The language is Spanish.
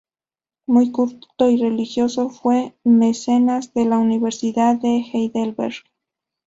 Muy culto y religioso, fue mecenas de la Universidad de Heidelberg.